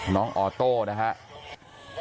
น้องออโต้นะครับ